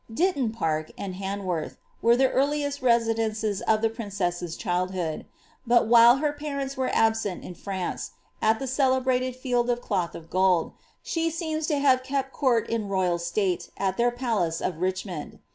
Ditton Park, and Han worth, were the earliest residences of the princess's childhood ; but while her parents were absent in France, at the celebrated Field of Cloth of Gold, she seems to have kept coort in royal ^tate at their palace of Richmond.